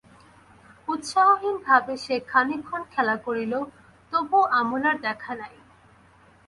উৎসাহহীন ভাবে সে খানিকক্ষণ খেলা করিল, তবুও আমলার দেখা নাই।